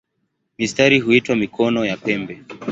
Mistari huitwa "mikono" ya pembe.